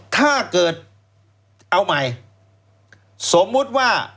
ถ้าเกิดเอาใหม่สมมุติว่า